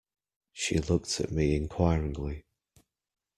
She looked at me inquiringly.